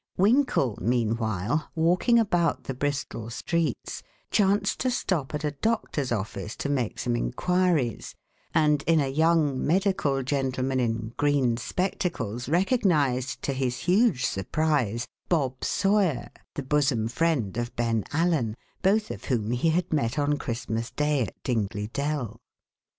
Winkle, meanwhile, walking about the Bristol streets, chanced to stop at a doctor's office to make some inquiries, and in a young medical gentleman in green spectacles recognized, to his huge surprise, Bob Sawyer, the bosom friend of Ben Allen, both of whom he had met on Christmas Day at Dingley Dell.